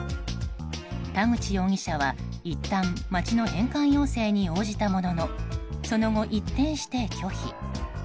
田口容疑者は、いったん町の返還要請に応じたもののその後、一転して拒否。